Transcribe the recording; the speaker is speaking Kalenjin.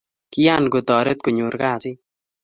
Kiyan kotoret konyor kasit.